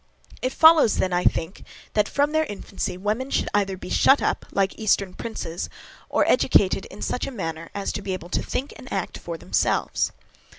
It follows then, I think, that from their infancy women should either be shut up like eastern princes, or educated in such a manner as to be able to think and act for themselves.